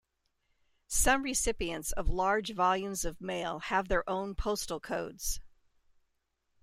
Some recipients of large volumes of mail have their own postal codes.